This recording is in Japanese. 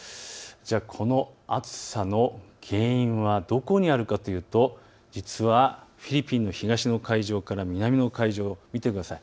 この暑さの原因はどこにあること言うと実は、フィリピンの東の海上から南の海上を見てください。